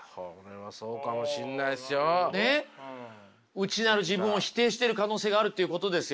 内なる自分を否定してる可能性があるっていうことですよ。